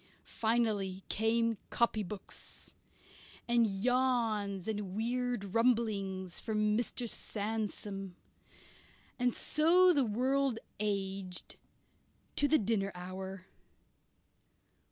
Finally came copybooks; and yawns and weird rumblings from Mr. Sandsome. And so the world aged to the dinner hour.